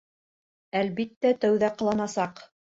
Әлбиттә, тәүҙә ҡыланасаҡ.